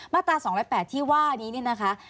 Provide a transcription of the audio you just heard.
มาตรา๒๐๘ที่ว่านี้นะคะ